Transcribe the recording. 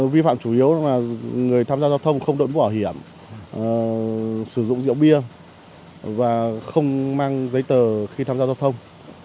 vi phạm chủ yếu là người tham gia giao thông không đổi bỏ hiểm sử dụng rượu bia và không mang giấy tờ khi tham gia giao thông